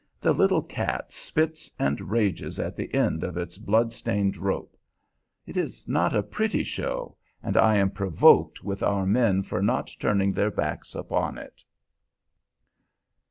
The little cat spits and rages at the end of its blood stained rope. It is not a pretty show, and I am provoked with our men for not turning their backs upon it.